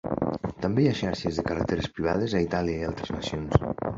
També hi ha xarxes de carreteres privades a Itàlia i altres nacions.